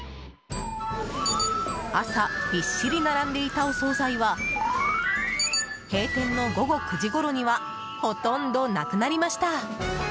朝びっしり並んでいたお総菜は閉店の午後９時ごろにはほとんどなくなりました。